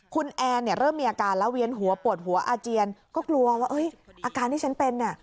คุณแอนเนี่ยเริ่มมีอาการแล้วเวียนหัวปวดหัวอาเจียนก็กลัวว่าอาการที่ฉันเป็นเนี่ย